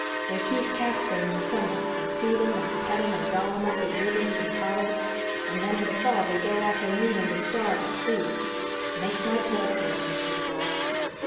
They keep cats there in the summer, and feed and pet 'em, and doll 'em up with ribbons and collars. And then in the fall they go off and leave 'em to starve or freeze. It makes my blood boil, Mistress Blythe.